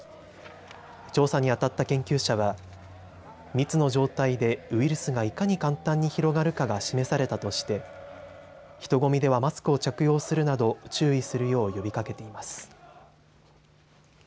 調査にあたった研究者は密の状態でウイルスがいかに簡単に広がるかが示されたとして人混みではマスクを着用するなど注意するよう呼びかけています。